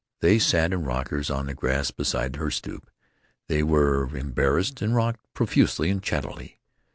They sat in rockers on the grass beside her stoop. They were embarrassed, and rocked profusely and chattily.